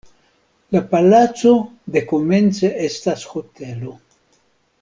La palaco dekomence estas hotelo.